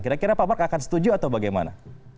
kira kira pak mark akan setuju atau bagaimana